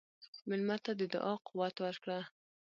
مېلمه ته د دعا قوت ورکړه.